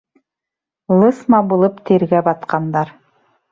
Лысма булып тиргә батҡандар.